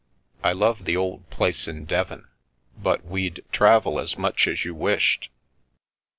I love the old place in Devon, but we'd travel as much as you wished."